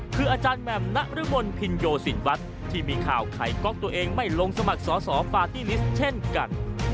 คืออาจารย์แหม่มนรมนพินโยสินวัฒน์ที่มีข่าวไข่ก๊อกตัวเองไม่ลงสมัครสอสอปาร์ตี้ลิสต์เช่นกัน